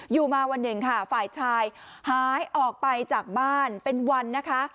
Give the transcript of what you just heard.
อยู่มาวันหนึ่งค่ะฝ่ายชายหายออกไปจากบ้านเป็นวันนะคะ